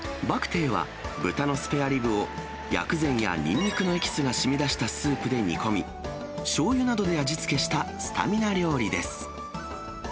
バクテーは豚のスペアリブを薬膳やニンニクのエキスがしみだしたスープで煮込み、しょうゆなどで味付けしたスタミナ料理です。